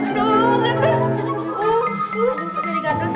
seger air putihnya emak